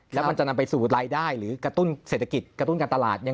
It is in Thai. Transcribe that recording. แล้วมันจะนำไปสู่รายได้หรือกระตุ้นเศรษฐกิจกระตุ้นการตลาด